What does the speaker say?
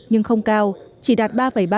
nhưng không cao chỉ đạt ba ba mươi hai